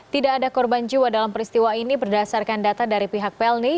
tidak ada korban jiwa dalam peristiwa ini berdasarkan data dari pihak pelni